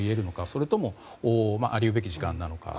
それともあり得る時間なのか。